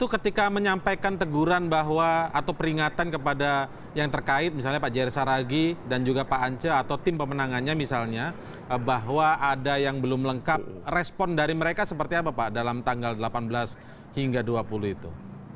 ketika menyampaikan teguran bahwa atau peringatan kepada yang terkait misalnya pak jr saragi dan juga pak ance atau tim pemenangannya misalnya bahwa ada yang belum lengkap respon dari mereka seperti apa pak dalam tanggal delapan belas hingga dua puluh itu